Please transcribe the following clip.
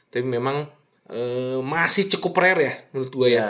tapi memang masih cukup rare ya menurut gue ya